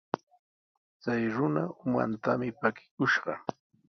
Chay runa umantami pakikushqa.